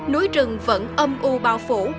núi rừng vẫn âm u bao phủ